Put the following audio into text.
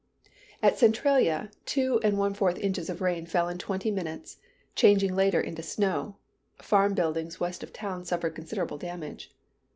At Centralia, two and one fourth inches of rain fell in twenty minutes, changing later into snow. Farm buildings west of town suffered considerable damage.